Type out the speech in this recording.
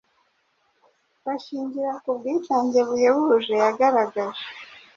bashingira ku bwitange buhebuje yagaragaje,